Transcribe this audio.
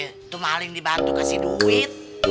itu paling dibantu kasih duit